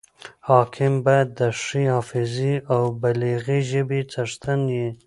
حاکم باید د ښې حافظي او بلیغي ژبي څښتن يي.